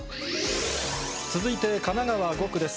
続いて神奈川５区です。